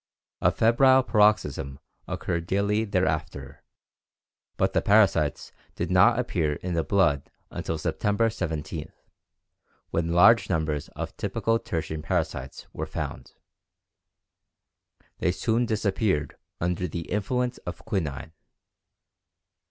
A febrile paroxysm occurred daily thereafter, but the parasites did not appear in the blood until September 17, when large numbers of typical tertian parasites were found. They soon disappeared under the influence of quinine."